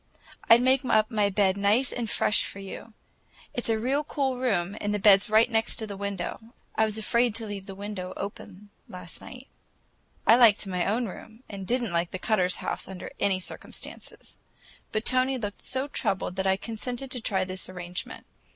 I'd make up my bed nice and fresh for you. It's a real cool room, and the bed's right next the window. I was afraid to leave the window open last night." I liked my own room, and I did n't like the Cutters' house under any circumstances; but Tony looked so troubled that I consented to try this arrangement.